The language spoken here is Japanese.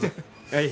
はい。